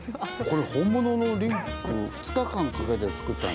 これ本物のリンクを２日間かけて作った。